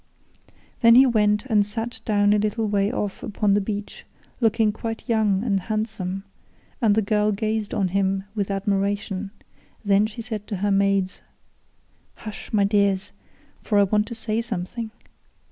Then he went and sat down a little way off upon the beach, looking quite young and handsome, and the girl gazed on him with admiration; then she said to her maids: "Hush, my dears, for I want to say something.